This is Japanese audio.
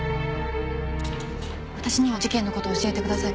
私にも事件の事教えてください。